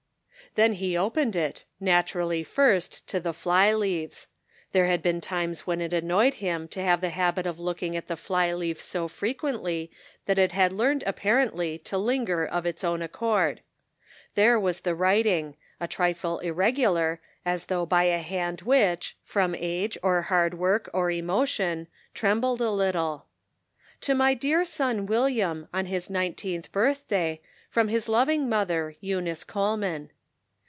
" Then he opened it, naturally first, to the fly leaves ; there had been times when it annoyed him to have the habit of looking at the fly leaf so frequently that it had learned appar ently to linger of its own accord. There was the writing, a trifle irregular, as though by a hand which, from age or hard work or emotion, trembled a little :" To iny dear son William, on his nineteenth birthday. From his loving mother, Eunice Coleman."